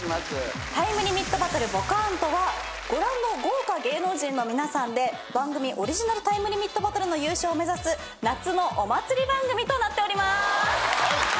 『タイムリミットバトルボカーン！』とはご覧の豪華芸能人の皆さんで番組オリジナルタイムリミットバトルの優勝を目指す夏のお祭り番組となっておりまーす。